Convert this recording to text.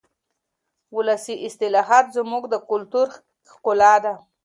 ولسي اصطلاحات زموږ د کلتور ښکلا ده.